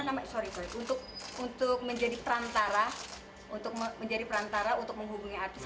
namanya sorry untuk untuk menjadi perantara untuk menjadi perantara untuk menghubungi artis